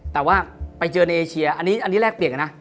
แต่ว่าไปเจอในเอเชียอันนี้แลกเปลี่ยนกันนะ